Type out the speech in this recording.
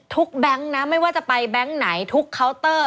แบงค์นะไม่ว่าจะไปแบงค์ไหนทุกเคาน์เตอร์